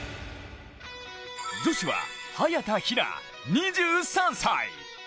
女子は早田ひな、２３歳。